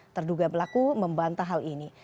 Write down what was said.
terduga pelaku membantah hal ini